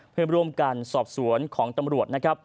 เพื่อร่วมการสอบสวนของตำรวจ